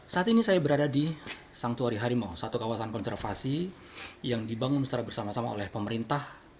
saat ini saya berada di sangtuari harimau satu kawasan konservasi yang dibangun secara bersama sama oleh pemerintah